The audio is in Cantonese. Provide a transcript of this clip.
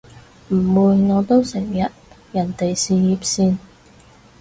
唔會，我都成日人哋事業線